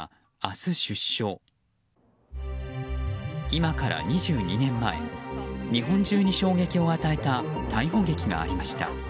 今から２２年前日本中に衝撃を与えた逮捕劇がありました。